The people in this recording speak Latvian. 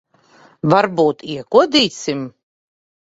Varbūt iekodīsim?